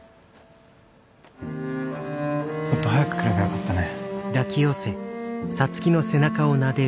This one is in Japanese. もっと早く来ればよかったね。